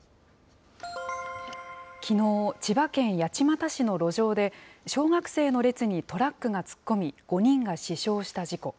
きのう、千葉県八街市の路上で、小学生の列にトラックが突っ込み、５人が死傷した事故。